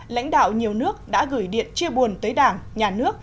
lãnh đạo nhiều nước đã gửi điện chia buồn tới đảng nhà nước